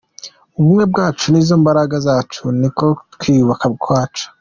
Ubumwe bwacu nizo mbaraga zacu niko kwiyubaka kwacu”.